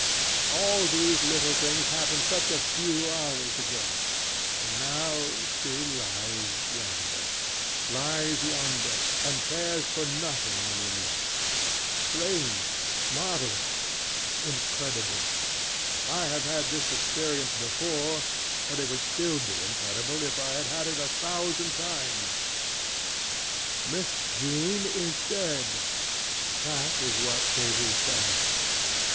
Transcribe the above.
All these little things happened such a few hours agoŌĆöand now she lies yonder. Lies yonder, and cares for nothing any more. StrangeŌĆömarvelousŌĆöincredible! I have had this experience before; but it would still be incredible if I had had it a thousand times. ŌĆ£MISS JEAN IS DEAD! ŌĆØ That is what Katy said.